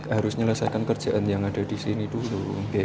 harus menyelesaikan kerjaan yang ada di sini dulu